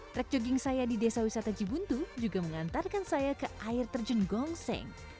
trek jogging saya di desa wisata jebuntu juga mengantarkan saya ke air terjun gongseng